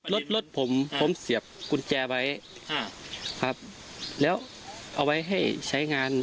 รถรถผมผมเสียบกุญแจไว้อ่าครับแล้วเอาไว้ให้ใช้งาน